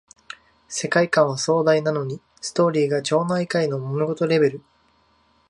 世界観は壮大なのにストーリーが町内会のもめ事レベル